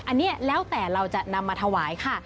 อันนี้แล้วแต่เราจะนำมาถวายค่ะ